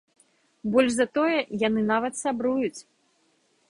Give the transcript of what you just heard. Больш за тое, яны нават сябруюць.